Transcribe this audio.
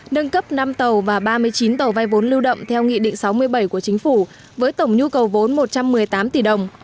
nâng cấp năm tàu và ba mươi chín tàu vay vốn lưu động theo nghị định sáu mươi bảy của chính phủ với tổng nhu cầu vốn một trăm một mươi tám tỷ đồng